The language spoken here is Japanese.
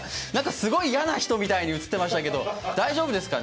すごい嫌な人みたいに映ってましたけど、大丈夫でしたか？